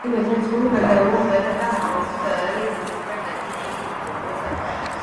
kitengo cha tuhuma za uongo hata kama wahusika hawawezi kupenda jina hili Kuongoza kwake